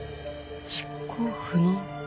執行不能？